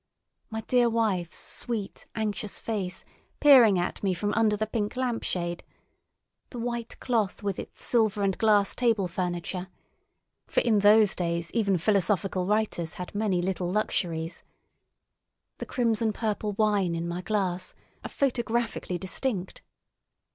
My dear wife's sweet anxious face peering at me from under the pink lamp shade, the white cloth with its silver and glass table furniture—for in those days even philosophical writers had many little luxuries—the crimson purple wine in my glass, are photographically distinct.